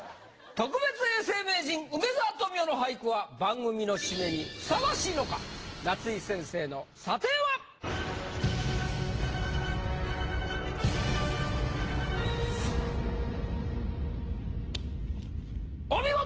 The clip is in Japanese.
特別永世名人梅沢富美男の俳句は番組の締めにふさわしいのか⁉夏井先生の査定は⁉お見事！